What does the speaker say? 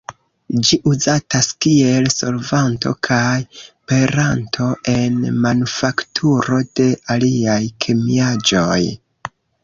Ĝi uzatas kiel solvanto kaj peranto en manufakturo de aliaj kemiaĵoj.